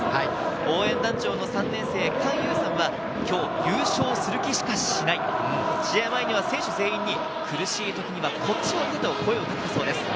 応援団長の３年生・かんさんは、優勝する気しかしない、選手全員に苦しい時にはこっちを向けと声をかけたそうです。